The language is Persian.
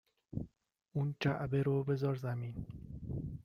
!اون جعبه رو بزار زمین